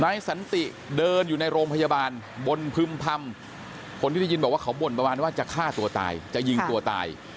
สันติเดินอยู่ในโรงพยาบาลบนพึ่มพำคนที่ได้ยินบอกว่าเขาบ่นประมาณว่าจะฆ่าตัวตายจะยิงตัวตาย